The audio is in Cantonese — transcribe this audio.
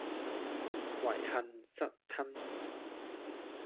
遺恨失吞吳